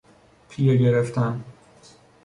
پیه گرفتن